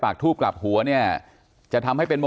การแก้เคล็ดบางอย่างแค่นั้นเอง